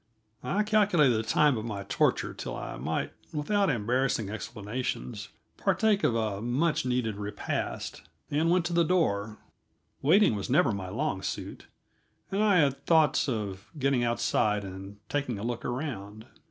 I calculated the time of my torture till I might, without embarrassing explanations, partake of a much needed repast, and went to the door; waiting was never my long suit, and I had thoughts of getting outside and taking a look around.